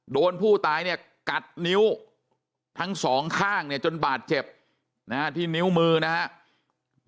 โดนผู้ตายเนี่ยกัดนิ้วทั้งสองข้างเนี่ยจนบาดเจ็บนะฮะที่นิ้วมือนะครับ